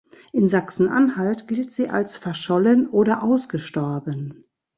In Sachsen-Anhalt gilt sie als verschollen oder ausgestorben.